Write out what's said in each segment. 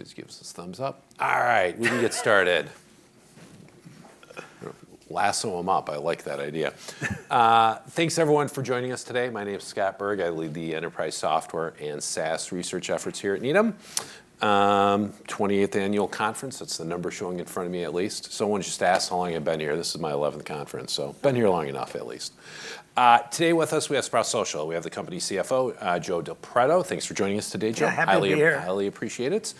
This gives us a thumbs up. All right, we can get started. Last of them up, I like that idea. Thanks, everyone, for joining us today. My name is Scott Berg. I lead the enterprise software and SaaS research efforts here at Needham. 28th annual conference, that's the number showing in front of me at least. Someone just asked how long I've been here. This is my 11th conference, so I've been here long enough at least. Today with us, we have Sprout Social. We have the company CFO, Joe Del Preto. Thanks for joining us today, Joe Del Preto. Yeah, happy to be here. Really, appreciate it.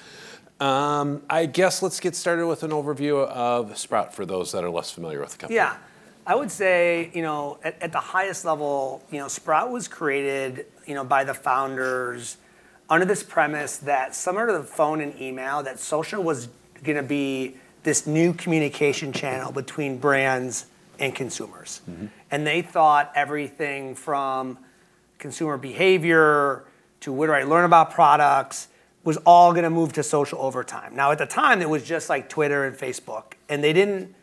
I guess let's get started with an overview of Sprout for those that are less familiar with the company. Yeah, I would say at the highest level, Sprout was created by the founders under this premise that somewhere to the phone and email, that social was going to be this new communication channel between brands and consumers. And they thought everything from consumer behavior to where I learn about products was all going to move to social over time. Now, at the time, it was just like Twitter and Facebook. And they didn't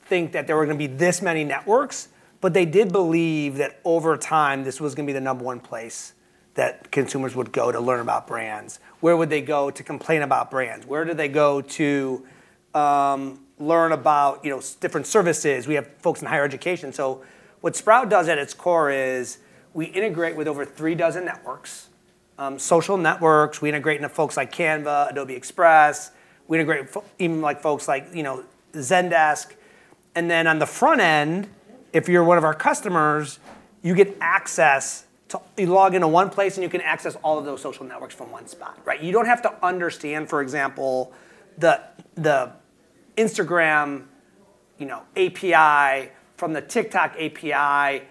think that there were going to be this many networks, but they did believe that over time, this was going to be the number one place that consumers would go to learn about brands. Where would they go to complain about brands? Where do they go to learn about different services? We have folks in higher education. So what Sprout does at its core is we integrate with over three dozen networks, social networks. We integrate into folks like Canva, Adobe Express. We integrate even like folks like Zendesk. And then on the front end, if you're one of our customers, you get access to log into one place and you can access all of those social networks from one spot. You don't have to understand, for example, the Instagram API, from the TikTok API,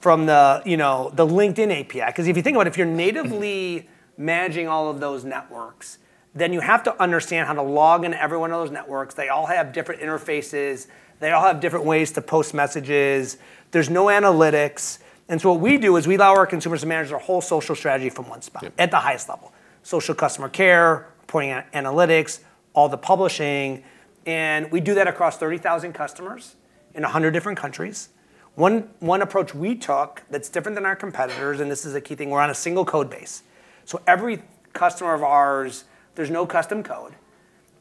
from the LinkedIn API. Because if you think about it, if you're natively managing all of those networks, then you have to understand how to log into every one of those networks. They all have different interfaces. They all have different ways to post messages. There's no analytics. And so what we do is we allow our consumers to manage their whole social strategy from one spot at the highest level. Social customer care, pointing analytics, all the publishing. And we do that across 30,000 customers in 100 different countries. One approach we took that's different than our competitors, and this is a key thing, we're on a single code base. So every customer of ours, there's no custom code.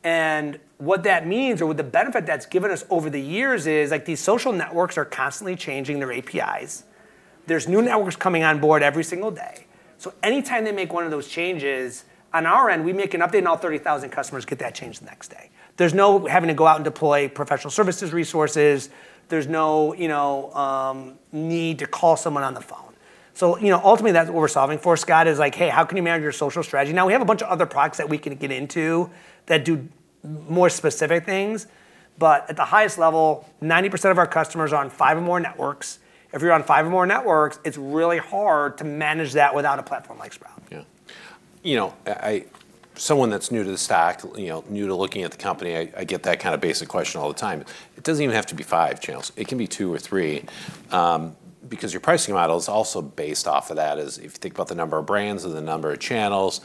And what that means, or what the benefit that's given us over the years is these social networks are constantly changing their APIs. There's new networks coming on board every single day. So anytime they make one of those changes, on our end, we make an update and all 30,000 customers get that changed the next day. There's no having to go out and deploy professional services resources. There's no need to call someone on the phone. So ultimately, that's what we're solving for, Scott Berg, is like, hey, how can you manage your social strategy? Now, we have a bunch of other products that we can get into that do more specific things. But at the highest level, 90% of our customers are on five or more networks. If you're on five or more networks, it's really hard to manage that without a platform like Sprout Social. Yeah. Someone that's new to the stack, new to looking at the company, I get that kind of basic question all the time. It doesn't even have to be five channels. It can be two or three. Because your pricing model is also based off of that. If you think about the number of brands and the number of channels,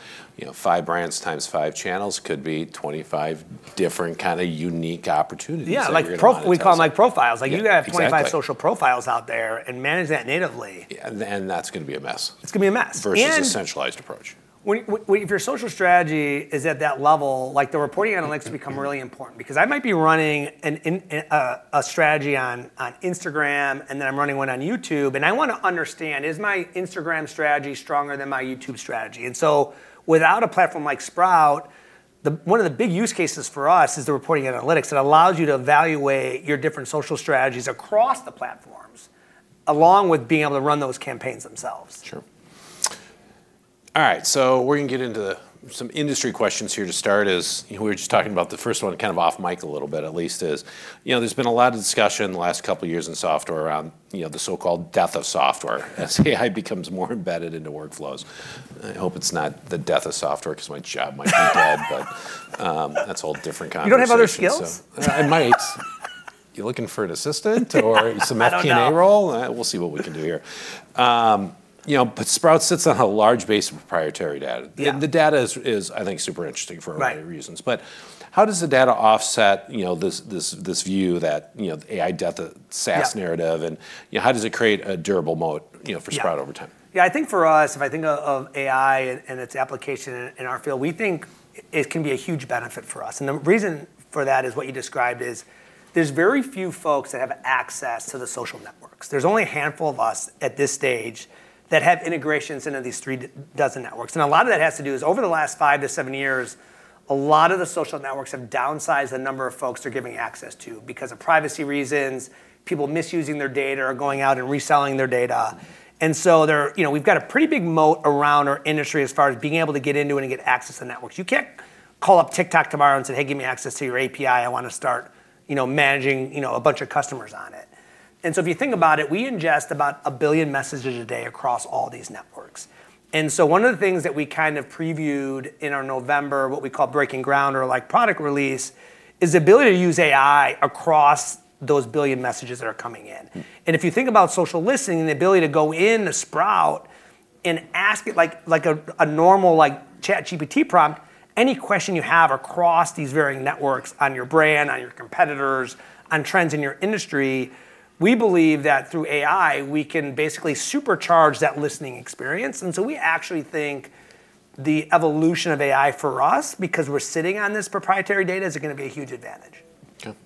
five brands times five channels could be 25 different kind of unique opportunities. Yeah, we call them like profiles. You've got to have 25 social profiles out there and manage that natively. That's going to be a mess. It's going to be a mess. Versus a centralized approach. If your social strategy is at that level, the reporting analytics become really important. Because I might be running a strategy on Instagram and then I'm running one on YouTube. And I want to understand, is my Instagram strategy stronger than my YouTube strategy? And so without a platform like Sprout Social one of the big use cases for us is the reporting analytics that allows you to evaluate your different social strategies across the platforms, along with being able to run those campaigns themselves. Sure. All right, so we're going to get into some industry questions here to start. We were just talking about the first one kind of off mic a little bit at least is there's been a lot of discussion in the last couple of years in software around the so-called death of software as AI becomes more embedded into workflows. I hope it's not the death of software because my job might be dead, but that's a whole different conversation. You don't have other skills? I might. You're looking for an assistant or some FP&A role? We'll see what we can do here. Sprout sits on a large base of proprietary data. The data is, I think, super interesting for a lot of reasons. But how does the data offset this view that AI death of SaaS narrative? And how does it create a durable moat for Sprout Social over time? Yeah, I think for us, if I think of AI and its application in our field, we think it can be a huge benefit for us. And the reason for that is what you described is there's very few folks that have access to the social networks. There's only a handful of us at this stage that have integrations into these three dozen networks. And a lot of that has to do is over the last five to seven years, a lot of the social networks have downsized the number of folks they're giving access to because of privacy reasons, people misusing their data, or going out and reselling their data. And so we've got a pretty big moat around our industry as far as being able to get into it and get access to networks. You can't call up TikTok tomorrow and say, hey, give me access to your API. I want to start managing a bunch of customers on it. And so if you think about it, we ingest about a billion messages a day across all these networks. And so one of the things that we kind of previewed in our November, what we call Breaking Ground or product release, is the ability to use AI across those billion messages that are coming in. And if you think about social listening, the ability to go into Sprout Social and ask it like a normal ChatGPT prompt, any question you have across these varying networks on your brand, on your competitors, on trends in your industry, we believe that through AI, we can basically supercharge that listening experience. And so we actually think the evolution of AI for us, because we're sitting on this proprietary data, is going to be a huge advantage.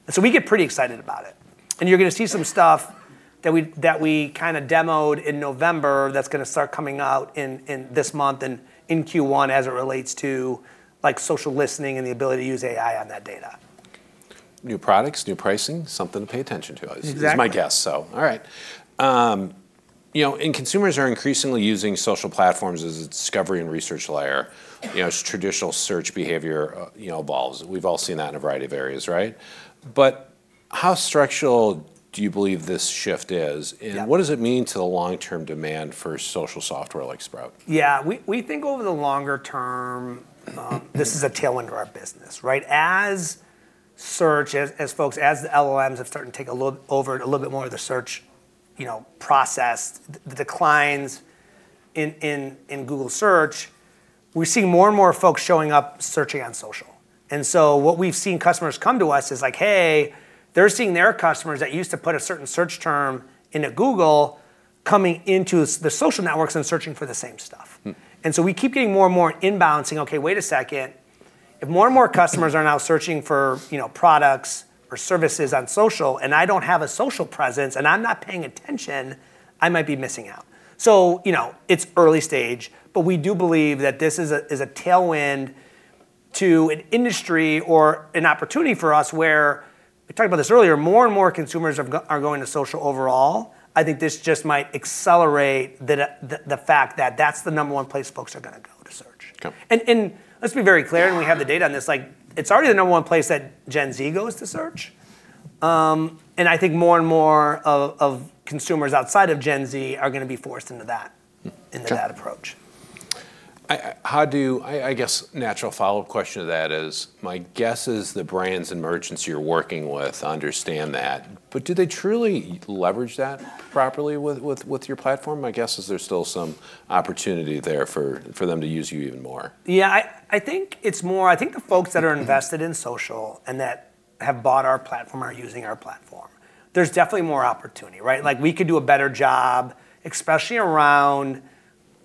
So we get pretty excited about it. And you're going to see some stuff that we kind of demoed in November that's going to start coming out this month and in Q1 as it relates to social listening and the ability to use AI on that data. New products, new pricing, something to pay attention to. Exactly. All right, and consumers are increasingly using social platforms as a discovery and research layer. Traditional search behavior evolves. We've all seen that in a variety of areas, right? But how structural do you believe this shift is? And what does it mean to the long-term demand for social software like Sprout Social? Yeah, we think over the longer-term, this is a tailwind to our business. As search, as folks, as the LLMs have started to take a little bit more of the search process, the declines in Google Search, we're seeing more and more folks showing up searching on social. And so what we've seen customers come to us is like, hey, they're seeing their customers that used to put a certain search term into Google coming into the social networks and searching for the same stuff. And so we keep getting more and more inbound saying, OK, wait a second. If more and more customers are now searching for products or services on social, and I don't have a social presence, and I'm not paying attention, I might be missing out. So it's early stage, but we do believe that this is a tailwind to an industry or an opportunity for us where we talked about this earlier. More and more consumers are going to social overall. I think this just might accelerate the fact that that's the number one place folks are going to go to search. And let's be very clear, and we have the data on this. It's already the number one place that Gen Z goes to search. And I think more and more of consumers outside of Gen Z are going to be forced into that approach. I guess a natural follow-up question to that is, my guess is the brands and merchants you're working with understand that. But do they truly leverage that properly with your platform? My guess is there's still some opportunity there for them to use you even more. Yeah, I think it's more. I think the folks that are invested in social and that have bought our platform are using our platform. There's definitely more opportunity. We could do a better job, especially around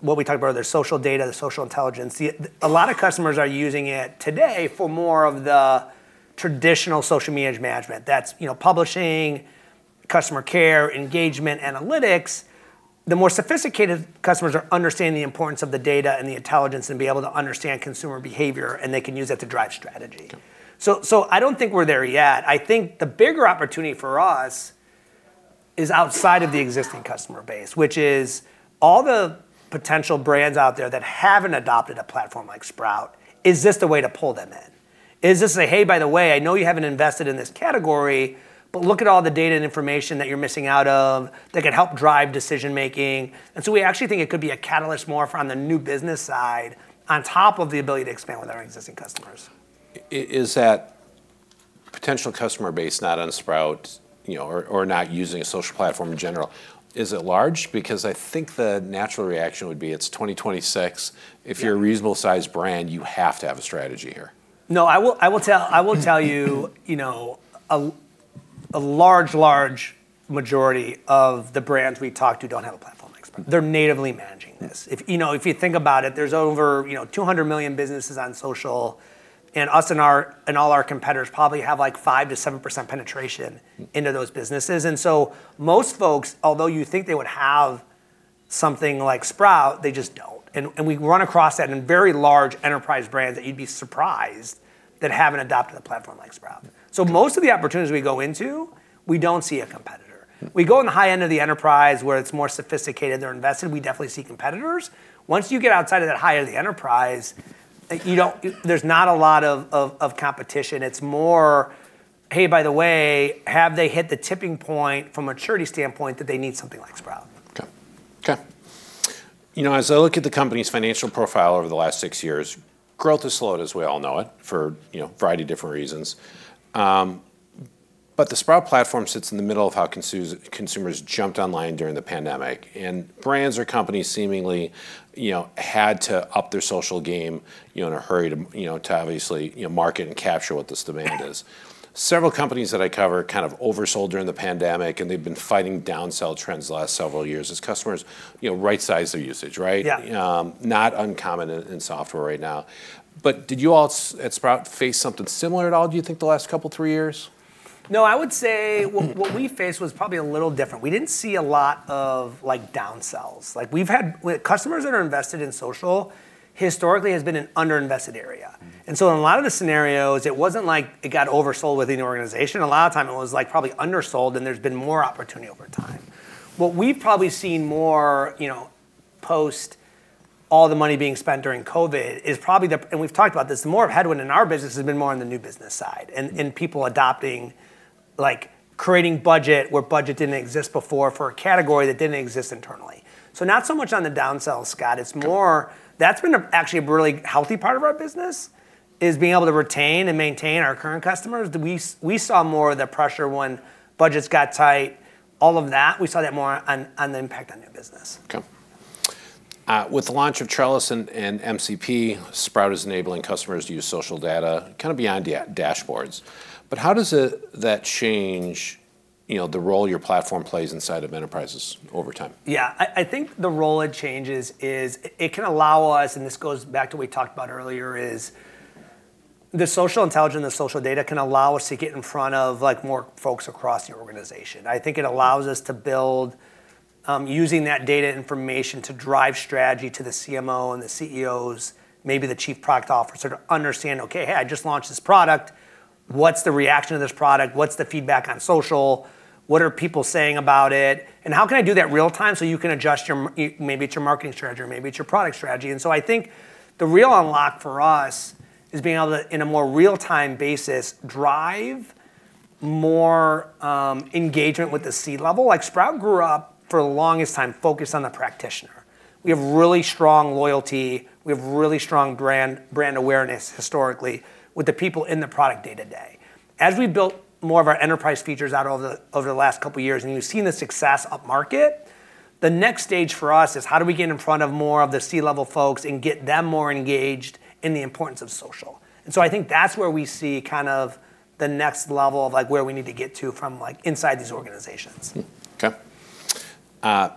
what we talked about earlier, social data, the social intelligence. A lot of customers are using it today for more of the traditional social media management. That's publishing, customer care, engagement, analytics. The more sophisticated customers are understanding the importance of the data and the intelligence and be able to understand consumer behavior, and they can use that to drive strategy. So I don't think we're there yet. I think the bigger opportunity for us is outside of the existing customer base, which is all the potential brands out there that haven't adopted a platform like Sprout. Is this the way to pull them in? Hey, by the way, I know you haven't invested in this category, but look at all the data and information that you're missing out on that can help drive decision-making. So we actually think it could be a catalyst more from the new business side on top of the ability to expand with our existing customers. Is that potential customer base not on Sprout Social or not using a social platform in general, is it large? Because I think the natural reaction would be it's 2026. If you're a reasonable sized brand, you have to have a strategy here. No, I will tell you a large, large majority of the brands we talk to don't have a platform. They're natively managing this. If you think about it, there's over 200 million businesses on social, and us and all our competitors probably have like 5%-7% penetration into those businesses, and so most folks, although you think they would have something like Sprout Social, they just don't, and we run across that in very large enterprise brands that you'd be surprised that haven't adopted a platform like Sprout Social, so most of the opportunities we go into, we don't see a competitor. We go in the high end of the enterprise where it's more sophisticated, they're invested, we definitely see competitors. Once you get outside of that high end of the enterprise, there's not a lot of competition. It's more, hey, by the way, have they hit the tipping point from a maturity standpoint that they need something like Sprout Social? OK. As I look at the company's financial profile over the last six years, growth has slowed as we all know it for a variety of different reasons. But the Sprout Social platform sits in the middle of how consumers jumped online during the pandemic. And brands or companies seemingly had to up their social game in a hurry to obviously market and capture what this demand is. Several companies that I cover kind of oversold during the pandemic, and they've been fighting downsell trends the last several years as customers right-size their usage, right? Yeah. Not uncommon in software right now. But did you all at Sprout Social face something similar at all, do you think, the last couple of three years? No, I would say what we faced was probably a little different. We didn't see a lot of downsells. Customers that are invested in social historically has been an underinvested area. And so in a lot of the scenarios, it wasn't like it got oversold within the organization. A lot of time it was like probably undersold, and there's been more opportunity over time. What we've probably seen more post all the money being spent during COVID is probably, and we've talked about this, the more of headwind in our business has been more on the new business side and people adopting, creating budget where budget didn't exist before for a category that didn't exist internally. So not so much on the downsell, Scott. It's more that's been actually a really healthy part of our business is being able to retain and maintain our current customers. We saw more of the pressure when budgets got tight, all of that. We saw that more on the impact on new business. OK. With the launch of Trellis and MCP, Sprout Social is enabling customers to use social data kind of beyond dashboards. But how does that change the role your platform plays inside of enterprises over time? Yeah, I think the role it changes is it can allow us, and this goes back to what we talked about earlier, is the social intelligence, the social data can allow us to get in front of more folks across the organization. I think it allows us to build, using that data information to drive strategy to the CMO and the CEOs, maybe the Chief Product Officer to understand, OK, hey, I just launched this product. What's the reaction to this product? What's the feedback on social? What are people saying about it? And how can I do that real time so you can adjust your, maybe it's your marketing strategy, or maybe it's your product strategy? And so I think the real unlock for us is being able to, in a more real-time basis, drive more engagement with the C-level. Like Sprout grew up for the longest time focused on the practitioner. We have really strong loyalty. We have really strong brand awareness historically with the people in the product day to day. As we built more of our enterprise features out over the last couple of years and you've seen the success upmarket, the next stage for us is how do we get in front of more of the C-level folks and get them more engaged in the importance of social? And so I think that's where we see kind of the next level of where we need to get to from inside these organizations. OK.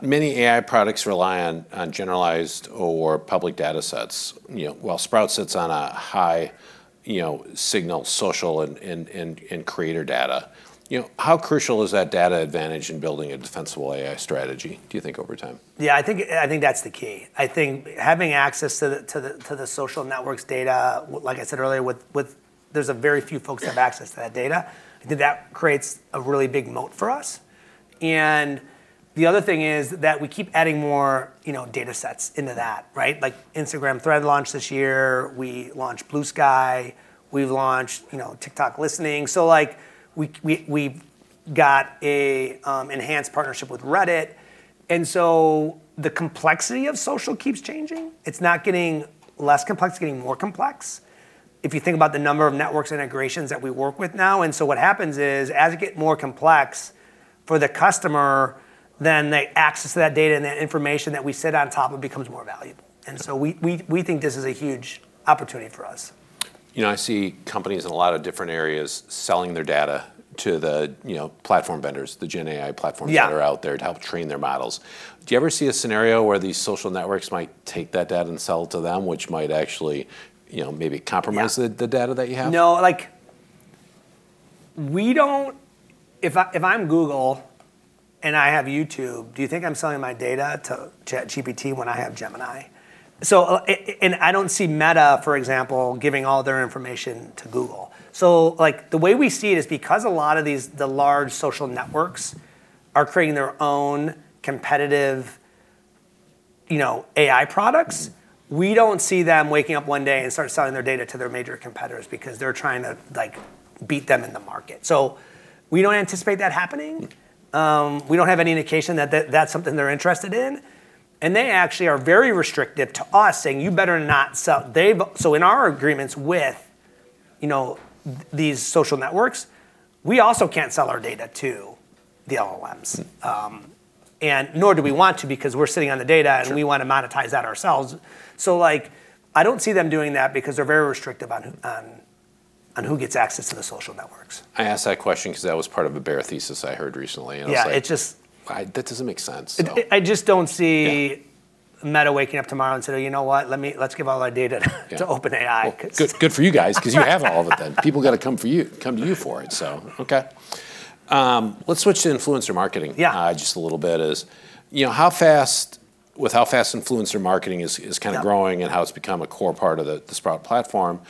Many AI products rely on generalized or public data sets. While Sprout Social sits on a high signal social and creator data, how crucial is that data advantage in building a defensible AI strategy, do you think, over time? Yeah, I think that's the key. I think having access to the social networks data, like I said earlier, there's very few folks that have access to that data. I think that creates a really big moat for us, and the other thing is that we keep adding more data sets into that. Like Instagram, Threads launched this year. We launched Bluesky. We've launched TikTok listening, so we got an enhanced partnership with Reddit, and so the complexity of social keeps changing. It's not getting less complex, it's getting more complex. If you think about the number of networks and integrations that we work with now, and so what happens is as you get more complex for the customer, then the access to that data and that information that we sit on top of becomes more valuable, and so we think this is a huge opportunity for us. I see companies in a lot of different areas selling their data to the platform vendors, the Gen AI platforms that are out there to help train their models. Do you ever see a scenario where these social networks might take that data and sell it to them, which might actually maybe compromise the data that you have? No. If I'm Google and I have YouTube, do you think I'm selling my data to ChatGPT when I have Gemini? And I don't see Meta, for example, giving all their information to Google. So the way we see it is because a lot of the large social networks are creating their own competitive AI products, we don't see them waking up one day and start selling their data to their major competitors because they're trying to beat them in the market. So we don't anticipate that happening. We don't have any indication that that's something they're interested in. And they actually are very restrictive to us saying, you better not sell. So in our agreements with these social networks, we also can't sell our data to the LLMs. And nor do we want to because we're sitting on the data and we want to monetize that ourselves. I don't see them doing that because they're very restrictive on who gets access to the social networks. I asked that question because that was part of a bear thesis I heard recently. Yeah, it just. That doesn't make sense. I just don't see Meta waking up tomorrow and saying, you know what, let's give all our data to OpenAI. Good for you guys because you have all of it then. People got to come to you for it. So, OK. Let's switch to influencer marketing just a little bit. With how fast influencer marketing is kind of growing and how it's become a core part of the Sprout Social platform,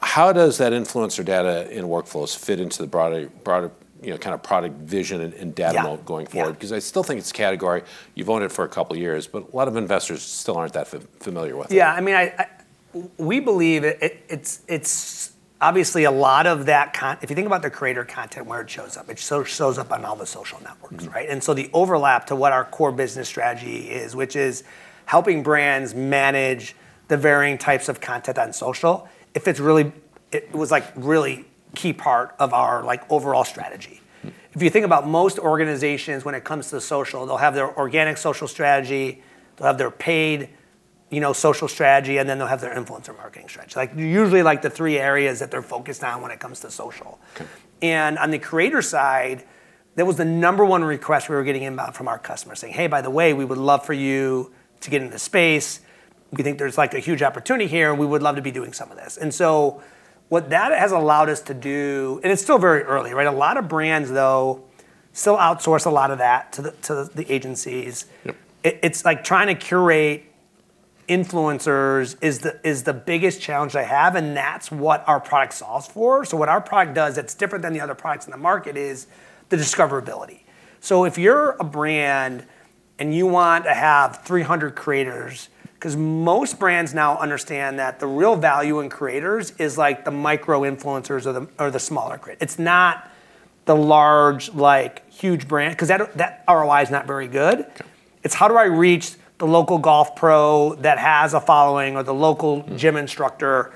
how does that influencer data and workflows fit into the broader kind of product vision and data going forward? Because I still think it's a category you've owned for a couple of years, but a lot of investors still aren't that familiar with it. Yeah, I mean, we believe it's obviously a lot of that. If you think about the creator content, where it shows up, it shows up on all the social networks, and so the overlap to what our core business strategy is, which is helping brands manage the varying types of content on social, it was like a really key part of our overall strategy. If you think about most organizations when it comes to social, they'll have their organic social strategy, they'll have their paid social strategy, and then they'll have their influencer marketing strategy. Usually like the three areas that they're focused on when it comes to social, and on the creator side, that was the number one request we were getting inbound from our customers saying, hey, by the way, we would love for you to get into the space. We think there's like a huge opportunity here. We would love to be doing some of this, and so what that has allowed us to do, and it's still very early, a lot of brands though still outsource a lot of that to the agencies. It's like trying to curate influencers is the biggest challenge they have, and that's what our product solves for, so what our product does that's different than the other products in the market is the discoverability, so if you're a brand and you want to have 300 creators, because most brands now understand that the real value in creators is like the micro influencers or the smaller creators. It's not the large, huge brand because that ROI is not very good. It's how do I reach the local golf pro that has a following or the local gym instructor?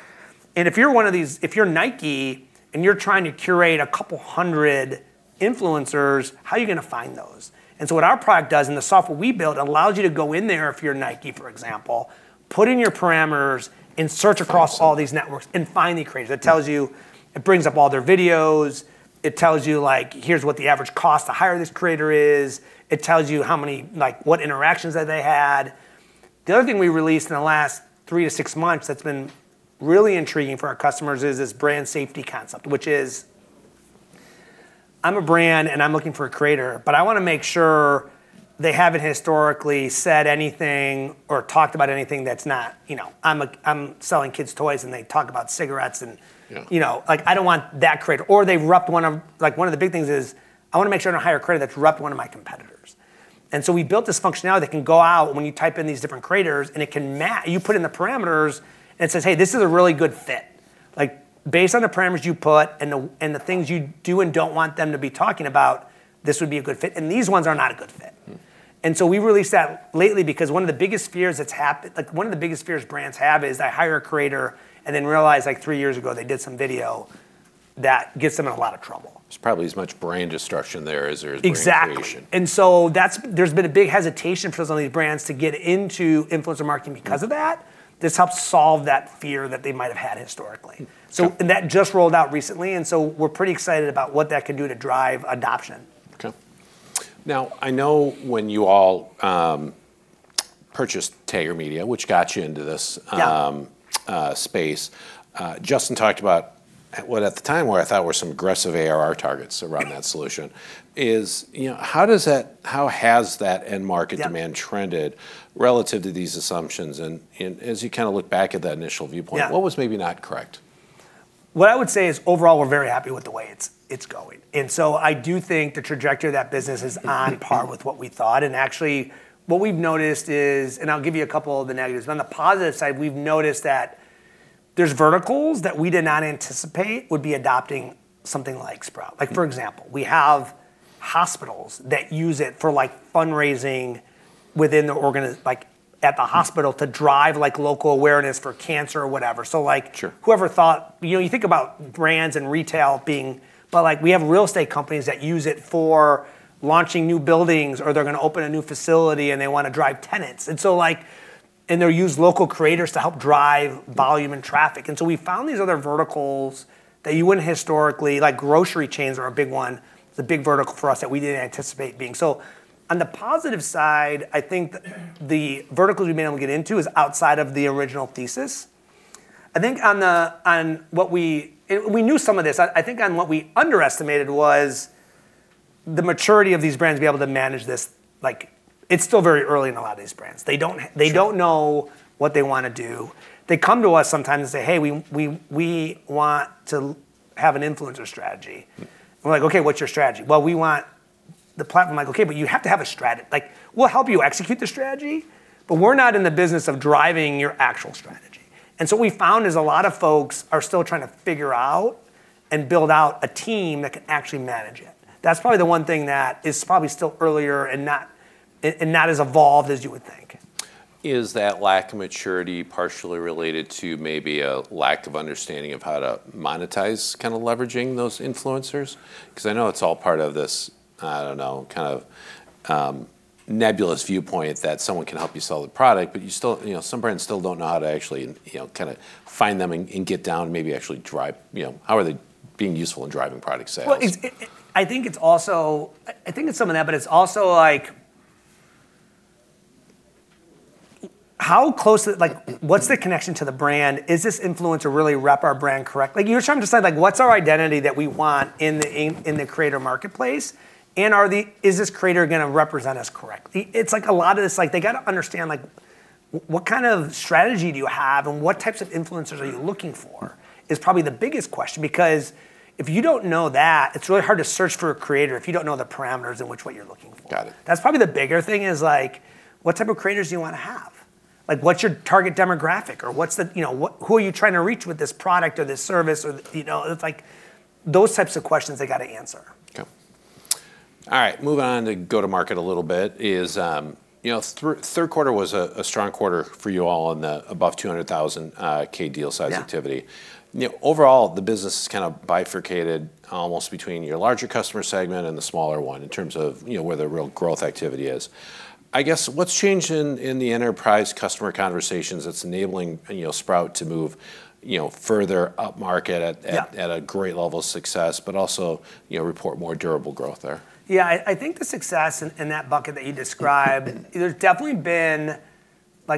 If you're Nike, and you're trying to curate a couple hundred influencers, how are you going to find those? So what our product does and the software we build allows you to go in there if you're Nike, for example, put in your parameters and search across all these networks and find the creators. It tells you, it brings up all their videos. It tells you here's what the average cost to hire this creator is. It tells you what interactions that they had. The other thing we released in the last three to six months that's been really intriguing for our customers is this brand safety concept, which is I'm a brand and I'm looking for a creator, but I want to make sure they haven't historically said anything or talked about anything that's not. I'm selling kids toys and they talk about cigarettes. I don't want that creator, or they've repped one of the big things is I want to make sure I don't hire a creator that's repped one of my competitors, and so we built this functionality that can go out when you type in these different creators and it can match. You put in the parameters and it says, hey, this is a really good fit. Based on the parameters you put and the things you do and don't want them to be talking about, this would be a good fit, and these ones are not a good fit, and so we released that lately because one of the biggest fears brands have is they hire a creator and then realize like three years ago they did some video that gets them in a lot of trouble. There's probably as much brand destruction there as there is brand creation. Exactly, and so there's been a big hesitation for some of these brands to get into influencer marketing because of that. This helps solve that fear that they might have had historically, and that just rolled out recently, and so we're pretty excited about what that can do to drive adoption. OK. Now, I know when you all purchased Tagger Media, which got you into this space. Justyn Howard talked about what, at the time, I thought were some aggressive ARR targets around that solution. How has that end market demand trended relative to these assumptions? And as you kind of look back at that initial viewpoint, what was maybe not correct? What I would say is overall we're very happy with the way it's going, and so I do think the trajectory of that business is on par with what we thought. Actually, what we've noticed is, and I'll give you a couple of the negatives. On the positive side, we've noticed that there's verticals that we did not anticipate would be adopting something like Sprout Social. Like for example, we have hospitals that use it for fundraising within the organization at the hospital to drive local awareness for cancer or whatever. So whoever thought, you think about brands and retail being, but we have real estate companies that use it for launching new buildings or they're going to open a new facility and they want to drive tenants, and they'll use local creators to help drive volume and traffic. And so we found these other verticals that you wouldn't historically, like grocery chains are a big one, the big vertical for us that we didn't anticipate being. So on the positive side, I think the verticals we've been able to get into is outside of the original thesis. I think on what we knew some of this. I think on what we underestimated was the maturity of these brands to be able to manage this. It's still very early in a lot of these brands. They don't know what they want to do. They come to us sometimes and say, "hey, we want to have an influencer strategy." We're like, "OK, what's your strategy?" "Well, we want the platform," like, "OK, but you have to have a strategy." We'll help you execute the strategy, but we're not in the business of driving your actual strategy. What we found is a lot of folks are still trying to figure out and build out a team that can actually manage it. That's probably the one thing that is probably still earlier and not as evolved as you would think. Is that lack of maturity partially related to maybe a lack of understanding of how to monetize kind of leveraging those influencers? Because I know it's all part of this, I don't know, kind of nebulous viewpoint that someone can help you sell the product, but some brands still don't know how to actually kind of find them and get down, maybe actually drive, how are they being useful in driving product sales? I think it's also, I think it's some of that, but it's also like how close, what's the connection to the brand? Is this influencer really rep our brand correctly? You're trying to decide what's our identity that we want in the creator marketplace, and is this creator going to represent us correctly? It's like a lot of this, they got to understand what kind of strategy do you have and what types of influencers are you looking for is probably the biggest question. Because if you don't know that, it's really hard to search for a creator if you don't know the parameters in which what you're looking for. That's probably the bigger thing is what type of creators do you want to have? What's your target demographic? Or who are you trying to reach with this product or this service? It's like those types of questions they got to answer. OK. All right, moving on to go-to-market a little bit. Q3 was a strong quarter for you all in the above $200,000 deal size activity. Overall, the business is kind of bifurcated almost between your larger customer segment and the smaller one in terms of where the real growth activity is. I guess what's changed in the enterprise customer conversations that's enabling Sprout Social to move further up-market at a great level of success, but also report more durable growth there? Yeah, I think the success in that bucket that you described, there's definitely been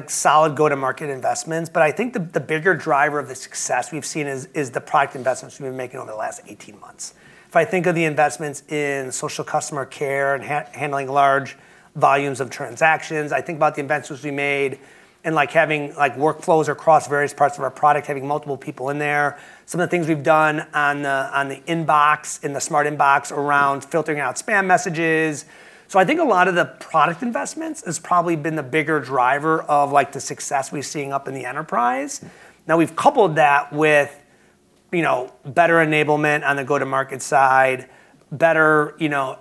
solid go-to-market investments. But I think the bigger driver of the success we've seen is the product investments we've been making over the last 18 months. If I think of the investments in social customer care and handling large volumes of transactions, I think about the investments we made and having workflows across various parts of our product, having multiple people in there. Some of the things we've done on the inbox, in the Smart Inbox around filtering out spam messages. So I think a lot of the product investments has probably been the bigger driver of the success we're seeing up in the enterprise. Now we've coupled that with better enablement on the go-to-market side, better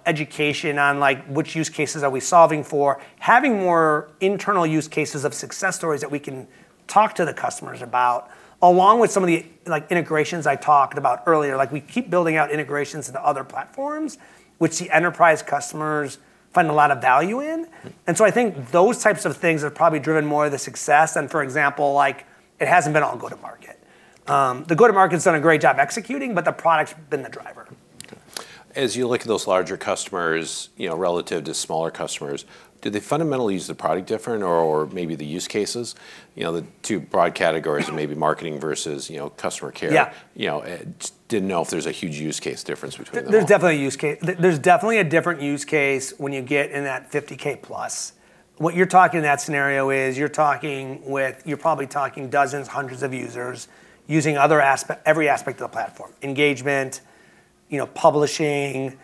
education on which use cases are we solving for, having more internal use cases of success stories that we can talk to the customers about, along with some of the integrations I talked about earlier. We keep building out integrations to the other platforms, which the enterprise customers find a lot of value in, and so I think those types of things have probably driven more of the success than, for example, it hasn't been all go-to-market. The go-to-market has done a great job executing, but the product's been the driver. As you look at those larger customers relative to smaller customers, do they fundamentally use the product different or maybe the use cases? The two broad categories are maybe marketing versus customer care. Didn't know if there's a huge use case difference between them? There's definitely a use case. There's definitely a different use case when you get in that $50K plus. What you're talking in that scenario is you're talking with, you're probably talking dozens, hundreds of users using every aspect of the platform, engagement, publishing.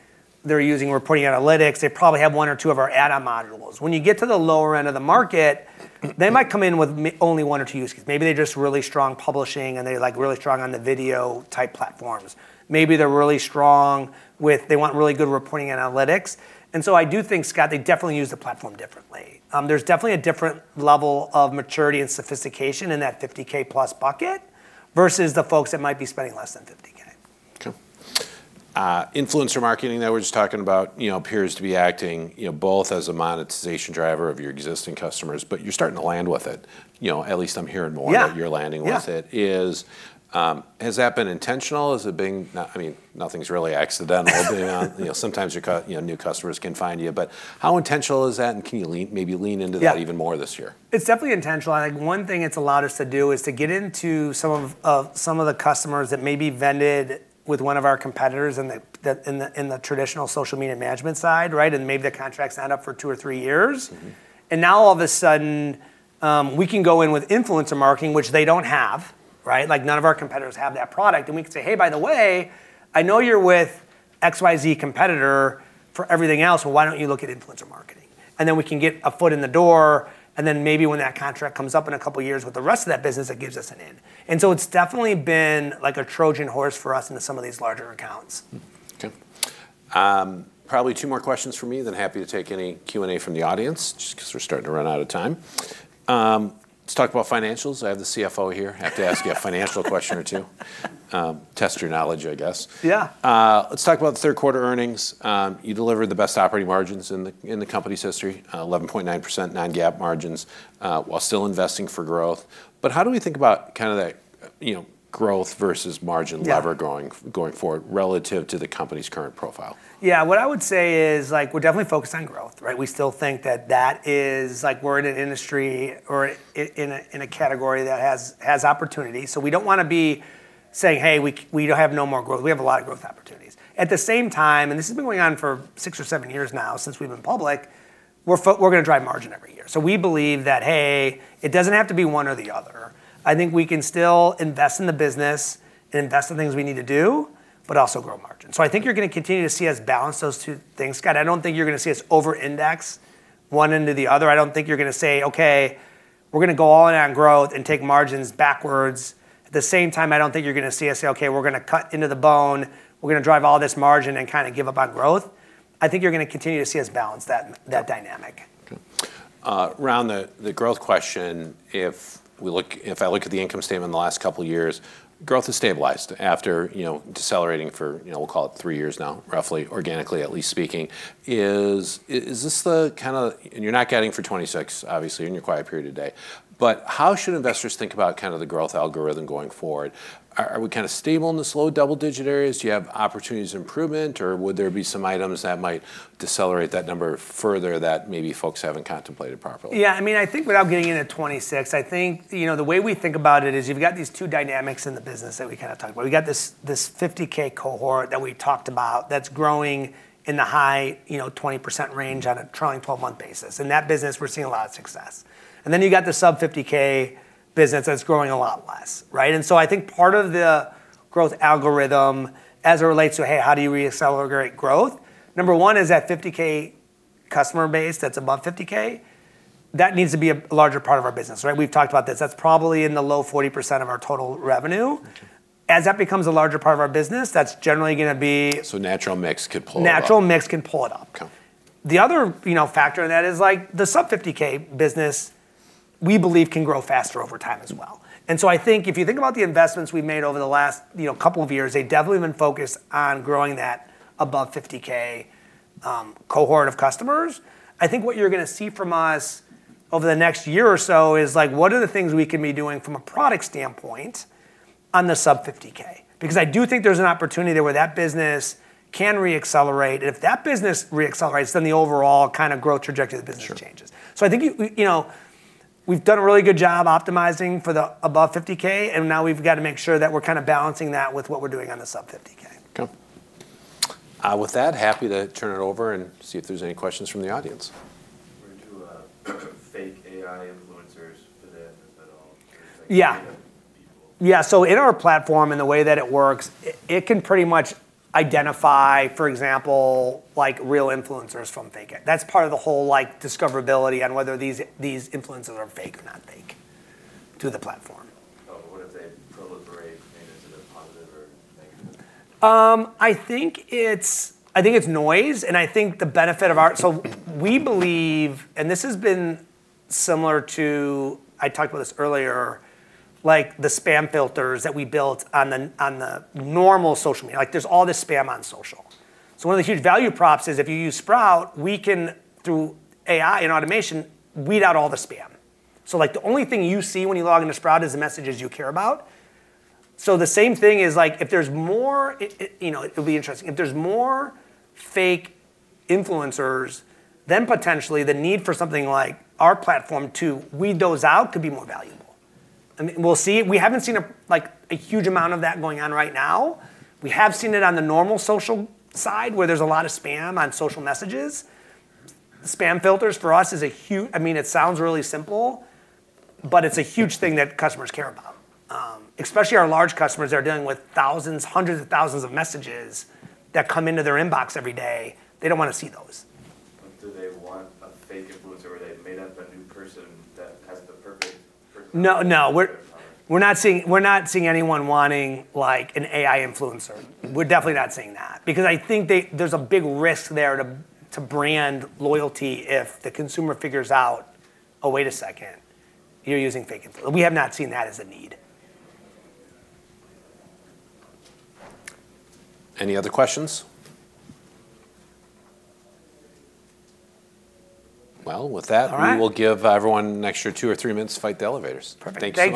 They're using reporting analytics. They probably have one or two of our add-on modules. When you get to the lower end of the market, they might come in with only one or two use cases. Maybe they're just really strong publishing and they're really strong on the video type platforms. Maybe they're really strong with, they want really good reporting analytics. And so I do think, Scott Berg, they definitely use the platform differently. There's definitely a different level of maturity and sophistication in that $50,000+ bucket versus the folks that might be spending less than $50,000. Influencer marketing that we're just talking about appears to be acting both as a monetization driver of your existing customers, but you're starting to land with it. At least I'm hearing more that you're landing with it. Has that been intentional? I mean, nothing's really accidental. Sometimes new customers can find you. But how intentional is that? And can you maybe lean into that even more this year? It's definitely intentional. One thing it's allowed us to do is to get into some of the customers that maybe vended with one of our competitors in the traditional social media management side, and maybe the contract's not up for two or three years. And now all of a sudden, we can go in with influencer marketing, which they don't have. None of our competitors have that product. And we can say, hey, by the way, I know you're with XYZ competitor for everything else. Well, why don't you look at influencer marketing? And then we can get a foot in the door. And then maybe when that contract comes up in a couple of years with the rest of that business, it gives us an in. And so it's definitely been like a Trojan horse for us into some of these larger accounts. OK. Probably two more questions from me, then happy to take any Q&A from the audience just because we're starting to run out of time. Let's talk about financials. I have the CFO here. I have to ask you a financial question or two. Test your knowledge, I guess. Yeah, let's talk about the third quarter earnings. You delivered the best operating margins in the company's history, 11.9% non-GAAP margins while still investing for growth. But how do we think about kind of that growth versus margin lever going forward relative to the company's current profile? Yeah, what I would say is we're definitely focused on growth. We still think that that is, we're in an industry or in a category that has opportunity. So we don't want to be saying, hey, we have no more growth. We have a lot of growth opportunities. At the same time, and this has been going on for six or seven years now since we've been public, we're going to drive margin every year. So we believe that, hey, it doesn't have to be one or the other. I think we can still invest in the business and invest in things we need to do, but also grow margin. So I think you're going to continue to see us balance those two things. Scott Berg, I don't think you're going to see us over-index one into the other. I don't think you're going to say, OK, we're going to go all in on growth and take margins backwards. At the same time, I don't think you're going to see us say, OK, we're going to cut into the bone. We're going to drive all this margin and kind of give up on growth. I think you're going to continue to see us balance that dynamic. Around the growth question, if I look at the income statement in the last couple of years, growth has stabilized after decelerating for, we'll call it three years now, roughly, organically at least speaking. Is this the kind of, and you're not getting for 2026, obviously, in your quiet period today, but how should investors think about kind of the growth algorithm going forward? Are we kind of stable in the slow double-digit areas? Do you have opportunities of improvement? Or would there be some items that might decelerate that number further that maybe folks haven't contemplated properly? Yeah, I mean, I think without getting into 2026, I think the way we think about it is you've got these two dynamics in the business that we kind of talked about. We've got this $50,000 cohort that we talked about that's growing in the high 20% range on a trailing 12-month basis. In that business, we're seeing a lot of success. And then you've got the sub-$50,000 business that's growing a lot less. And so I think part of the growth algorithm as it relates to, hey, how do you re-accelerate growth? Number one is that $50,000 customer base that's above $50,000. That needs to be a larger part of our business. We've talked about this. That's probably in the low 40% of our total revenue. As that becomes a larger part of our business, that's generally going to be. Natural mix could pull it up. Natural mix can pull it up. The other factor in that is the sub-$50,000 business, we believe, can grow faster over time as well, and so I think if you think about the investments we've made over the last couple of years, they definitely have been focused on growing that above $50,000 cohort of customers. I think what you're going to see from us over the next year or so is what are the things we can be doing from a product standpoint on the sub-$50,000? Because I do think there's an opportunity there where that business can re-accelerate, and if that business re-accelerates, then the overall kind of growth trajectory of the business changes, so I think we've done a really good job optimizing for the above $50,000, and now we've got to make sure that we're kind of balancing that with what we're doing on the sub-$50,000. With that, happy to turn it over and see if there's any questions from the audience. Where do fake AI influencers fit in, if at all? Yeah. Yeah, so in our platform and the way that it works, it can pretty much identify, for example, real influencers from fake AI. That's part of the whole discoverability on whether these influencers are fake or not fake to the platform. What if they proliferate? Is it a positive or negative? I think it's noise, and I think the benefit of our, so we believe, and this has been similar to, I talked about this earlier, the spam filters that we built on the normal social media. There's all this spam on social, so one of the huge value props is if you use Sprout Social, we can, through AI and automation, weed out all the spam, so the only thing you see when you log into Sprout Social is the messages you care about, so the same thing is if there's more, it'll be interesting. If there's more fake influencers, then potentially the need for something like our platform to weed those out could be more valuable. We haven't seen a huge amount of that going on right now. We have seen it on the normal social side where there's a lot of spam on social messages. Spam filters for us is a huge, I mean, it sounds really simple, but it's a huge thing that customers care about. Especially our large customers that are dealing with thousands, hundreds of thousands of messages that come into their inbox every day. They don't want to see those. Do they want a fake influencer where they've made up a new person that has the perfect person? No, no. We're not seeing anyone wanting an AI influencer. We're definitely not seeing that. Because I think there's a big risk there to brand loyalty if the consumer figures out, oh, wait a second, you're using fake influencers. We have not seen that as a need. Any other questions? Well, with that, we will give everyone an extra two or three minutes to fight the elevators. Perfect. Thank you.